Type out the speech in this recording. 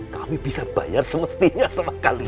kami bisa bayar semestinya sama sekali